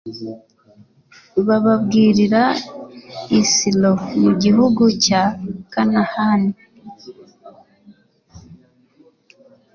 bababwirira i silo mu gihugu cya kanahani